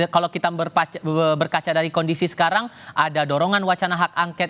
kalau kita berkaca dari kondisi sekarang ada dorongan wacana hak angket